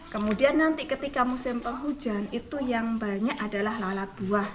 kemudian nanti ketika musim penghujan itu yang banyak adalah lalat buah